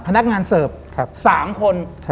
พนักงานเสิร์ฟ๓คน